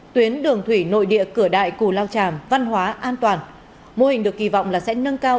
tuyến đường thủy nội địa cửa đại cù lao tràm văn hóa an toàn mô hình được kỳ vọng là sẽ nâng cao